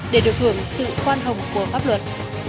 để được hưởng sự khoan hồng của pháp luật